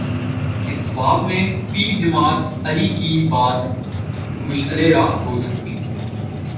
اس باب میں پیر جماعت علی کی بات مشعل راہ ہو سکتی ہے۔